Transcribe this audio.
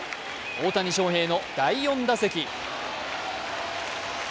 大谷翔平の第４打席。